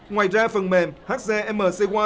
ngoài ra phần mềm hcmc một